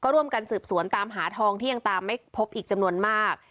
ร่วมกันการศึกษวนตามหาทองไม่พบอีกจำนวนมาก